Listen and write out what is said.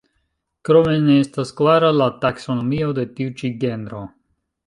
Krome ne estas klara la taksonomio de tiu ĉi genro.